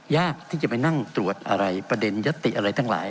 ยากที่จะไปนั่งตรวจอะไรประเด็นยัตติอะไรทั้งหลาย